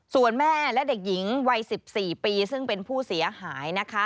ส่วนแม่และเด็กหญิงวัย๑๔ปีซึ่งเป็นผู้เสียหายนะคะ